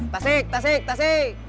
tasik tasik tasik